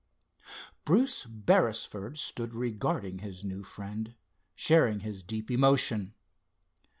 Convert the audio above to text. Bruce Beresford stood regarding his new friend, sharing his deep emotion.